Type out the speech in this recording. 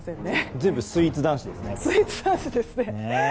随分スイーツ男子ですね。